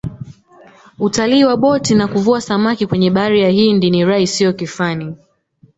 utalii wa boti na kuvua samaki kwenye bahari ya hindi ni raha isiyo kifani